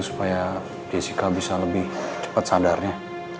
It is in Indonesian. supaya jessica bisa lebih cepat sadarnya